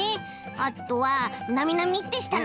あとはなみなみってしたの。